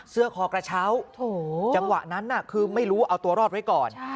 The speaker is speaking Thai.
เสื้อคอกระเช้าจังหวะนั้นคือไม่รู้เอาตัวรอดไว้ก่อน